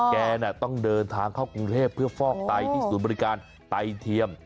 แกต้องเดินทางเข้ากรุงเทพเพื่อฟอกไตที่ศูนย์บริการไตเทียม